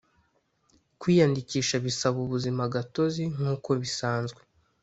kwiyandikisha bisaba ubuzima gatozi Nk uko bisanzwe